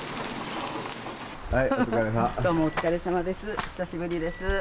どうもお疲れさまです。